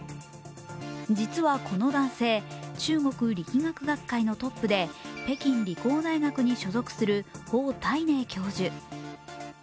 実はこの男性、中国力学学会のトップで、北京理工大学に所属する方岱寧教授。